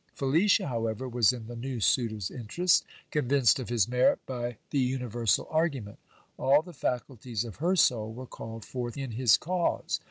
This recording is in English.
Felicia, however, was in the new suitor's interest, convinced of his merit by the universal argument. All the faculties of her soul were called forth in his cause.